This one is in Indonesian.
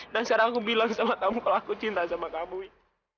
dan sekarang aku bilang sama kamu kalau aku cinta sama kamu wih